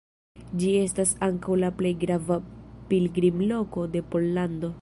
Ĝi estas ankaŭ la plej grava pilgrimloko de Pollando.